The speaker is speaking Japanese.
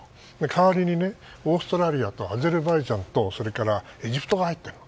代わりにオーストラリアとアゼルバイジャンとエジプトが入っている。